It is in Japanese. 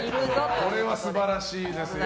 これは素晴らしいですよ。